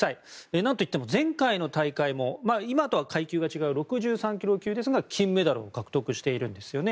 何といっても前回の大会も今とは階級が違いますが６３ｋｇ級ですが金メダルを獲得しているんですよね。